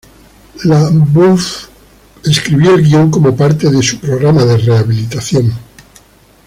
LaBeouf escribió el guión como parte de su programa de rehabilitación.